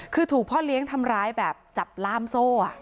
คือถูกพ่อเลี้ยงทำร้ายแบบจับล่ามโซ่